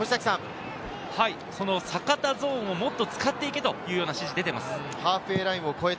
その阪田ゾーンをもっと使っていけというような指示が出ています。